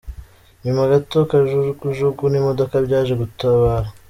Nyuma gato, kajugujugu n'imodoka byaje gutabara.